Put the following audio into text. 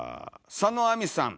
「佐野亜実」さん。